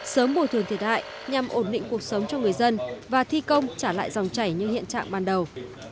sớm bồi thường thiệt hại nhằm ổn định cuộc sống cho người dân và thi công trả lại dòng chảy như hiện trạng ban đầu